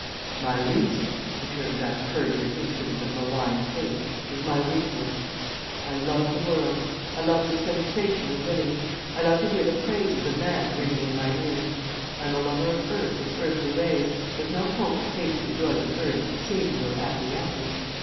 "'My reason,' returned that perjured instrument of malign fate, 'is my weakness. I love the world. I love the sensation of living. I love to hear the praises of man ringing in my ears. I am a lover of earth and earthly ways, with no hope of tasting the joys of earth save in your acquiescence.